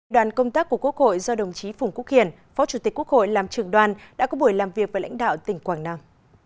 đoàn công tác của quốc hội do đồng chí phùng quốc hiển phó chủ tịch quốc hội làm trường đoàn đã có buổi làm việc với lãnh đạo tỉnh quảng nam